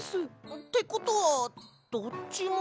ってことはどっちも。